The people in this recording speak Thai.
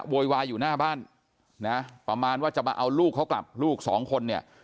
โวยวายอยู่หน้าบ้านนะประมาณว่าจะมาเอาลูกเขากลับลูกสองคนเนี่ย